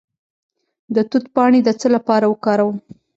د توت پاڼې د څه لپاره وکاروم؟